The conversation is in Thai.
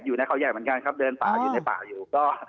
อยู่ในเขาใหญ่เหมือนกันครับเดินป่าอยู่ในป่าอยู่ก็